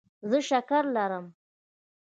زه شکره لرم.